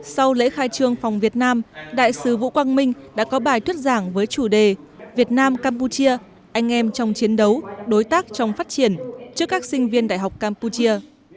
sau lễ khai trương phòng việt nam đại sứ vũ quang minh đã có bài tuyết giảng với chủ đề việt nam campuchia anh em trong chiến đấu đối tác trong phát triển trước các sinh viên đại học campuchia